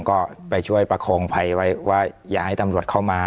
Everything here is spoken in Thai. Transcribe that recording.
ก็ไปช่วยประคองภัยไว้ว่าอย่าให้ตำรวจเข้ามา